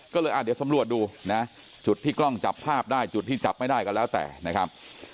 ก็เลยเดี๋ยวสำรวจดูนะจุดที่กล้องจับภาพได้จุดที่จับไม่ได้ก็แล้วแต่นะครับ